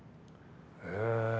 へえ。